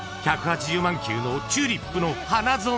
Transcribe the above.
［１８０万球のチューリップの花園］